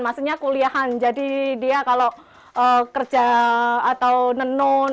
maksudnya kuliahan jadi dia kalau kerja atau nenun